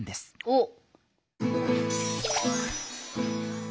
おっ。